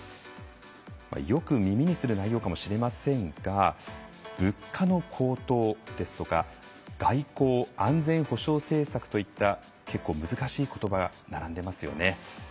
よく耳にする内容かもしれませんが「物価の高騰」ですとか「外交・安全保障政策」といった結構難しいことばが並んでますよね。